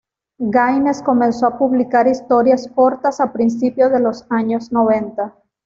Gaines comenzó a publicar historias cortas a principios de los años noventa.